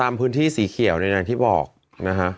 ตามพื้นที่สีเขียวในอย่างที่บอกนะฮะ